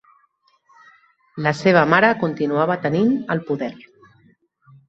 La seva mare continuava tenint el poder.